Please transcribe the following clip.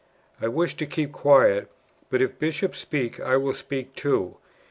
I wish to keep quiet; but if Bishops speak, I will speak too.